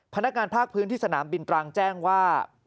พนักงานภาคพื้นที่สนามบินตรังแจ้งว่า